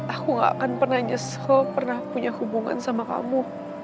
aku gak akan pernah nyesel pernah punya hubungan sama kamu